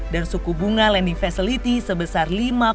dan suku bunga landing facility sebesar lima tujuh puluh lima